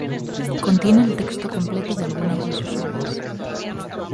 Contiene el texto completo de algunas de sus obras.